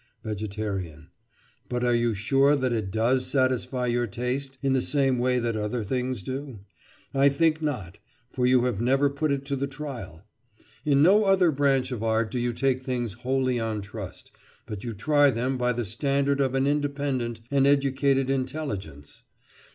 VEGETARIAN: But are you sure that it does satisfy your taste in the same way that other things do? I think not, for you have never put it to the trial. In no other branch of art do you take things wholly on trust, but you try them by the standard of an independent and educated intelligence.